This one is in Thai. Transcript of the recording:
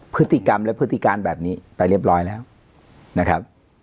พฤติกรรมและพฤติการแบบนี้ไปเรียบร้อยแล้วนะครับ